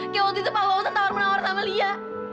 kayak waktu itu papa usah tawar menawar sama lia